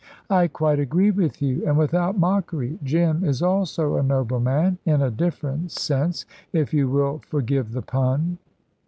"I quite agree with you, and without mockery. Jim is also a noble man, in a different sense, if you will forgive the pun."